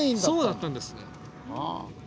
そうだったんですね。